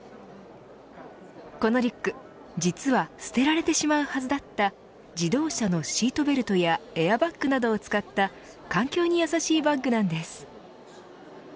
このリュック実は捨てられてしまうはずだった自動車のシートベルトやエアバッグなどを使った環境にやさしいバッグなんです。